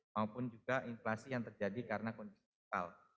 maupun juga inflasi yang terjadi karena kondisi lokal